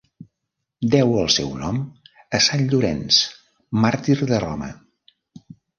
Deu el seu nom a sant Llorenç màrtir de Roma.